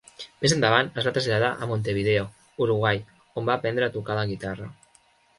Més endavant es va traslladar a Montevideo, Uruguai, on va aprendre a tocar la guitarra.